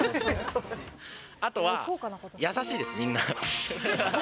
あとは、優しいです、みんな。